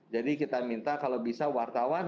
jadi kita minta kalau bisa wartawan